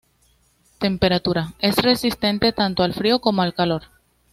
Temperatura: es resistente tanto al frío como al calor.